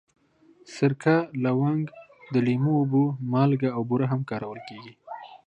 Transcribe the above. سرکه، لونګ، د لیمو اوبه، مالګه او بوره هم کارول کېږي.